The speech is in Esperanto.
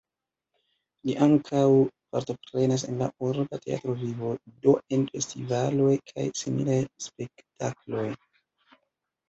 Li ankaŭ partoprenas en la urba teatra vivo, do en festivaloj kaj similaj spektakloj.